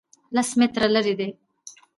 لس متره لرې دی